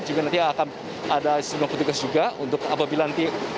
juga nanti akan ada sejumlah petugas juga untuk apabila nanti